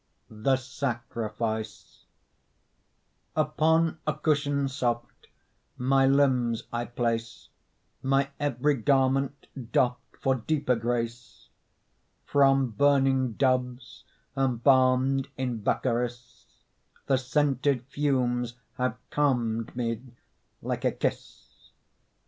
THE SACRIFICE Upon a cushion soft My limbs I place, My every garment doffed For deeper grace; From burning doves embalmed In baccharis, The scented fumes have calmed Me like a kiss.